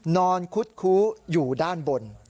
คุดคู้อยู่ด้านบน